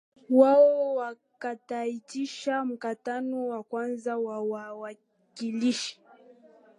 wao wakaitisha mkutano wa kwanza wa wawakilishi